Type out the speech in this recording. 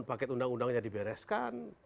paket undang undangnya dibereskan